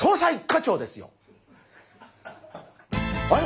１課長ですよ。